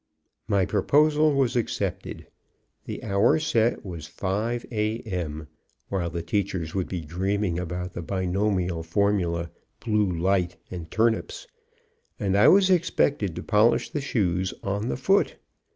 My proposal was accepted. The hour set was 5:00 A. M., while the teachers would be dreaming about the binomial formula, blue light, and turnips. And I was expected to polish the shoes on the foot.